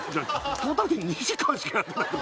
トータルで２時間しかやってないの？